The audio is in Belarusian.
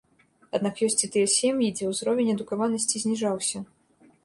Аднак ёсць і тыя сем'і, дзе ўзровень адукаванасці зніжаўся.